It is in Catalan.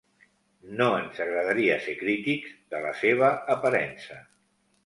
No ens agradaria ser crítics de la seva aparença.